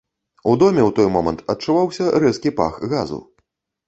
У доме ў той момант адчуваўся рэзкі пах газу.